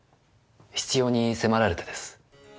必要に迫られてです。